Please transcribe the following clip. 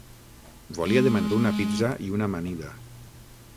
Volia demanar una pizza i una amanida.